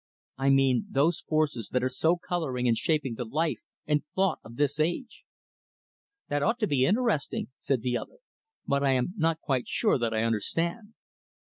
I mean those forces that are so coloring and shaping the life and thought of this age." "That ought to be interesting," said the other, "but I am not quite sure that I understand."